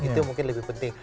itu mungkin lebih penting